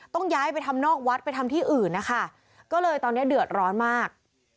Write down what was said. ต้องย้ายไปทำนอกวัดไปทำที่อื่นนะคะก็เลยตอนนี้เดือดร้อนมาก